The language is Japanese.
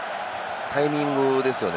タイミングですよね。